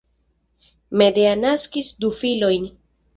Medea naskis du filojn.